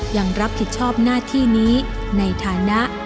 ยังรับผิดชอบหน้าที่นี้ในฐานะ